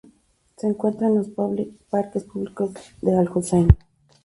Se encuentra en los parques públicos de Al Hussein.